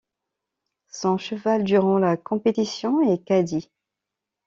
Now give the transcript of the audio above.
Son cheval durant la compétition est Cadiz.